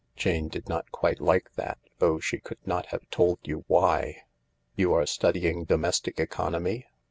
Jane did not quite like that, though she could not have told you why. " You are studying domestic economy